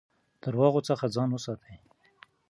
د درواغو څخه ځان وساتئ.